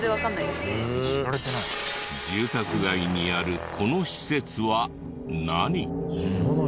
住宅街にあるこの施設は何？